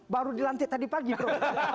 baru dilantik tadi pagi prof